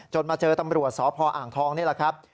มาเจอตำรวจสพอ่างทองนี่แหละครับ